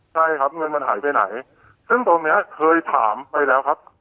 ใช่ครับเงินมันหายไปไหนซึ่งตรงเนี้ยเคยถามไปแล้วครับ